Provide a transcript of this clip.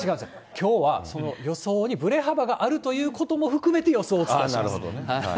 きょうはその予想にぶれ幅があるということも含めて予想をお伝えなるほどね。